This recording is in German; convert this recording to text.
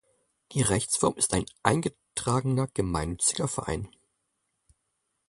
Die Rechtsform ist ein eingetragener gemeinnütziger Verein.